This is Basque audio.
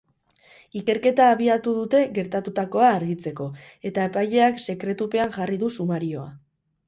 Ikerketa abiatu dute gertatutakoa argitzeko, eta epaileak sekretupean jarri du sumarioa.